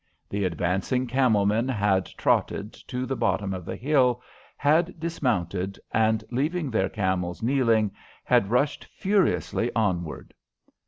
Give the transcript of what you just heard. The advancing camel men had trotted to the bottom of the hill, had dismounted, and, leaving their camels kneeling, had rushed furiously onward.